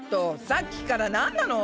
さっきからなんなの？